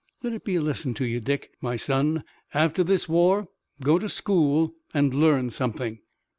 Let it be a lesson to you, Dick, my son. After this war, go to school, and learn something."